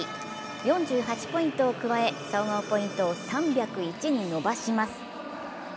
４８ポイントを加え、総合ポイントを３０１に伸ばします。